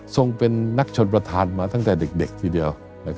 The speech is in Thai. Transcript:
เป็นนักชนประธานมาตั้งแต่เด็กทีเดียว